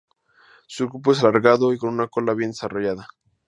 Su cuerpo es alargado y con una cola bien desarrollada.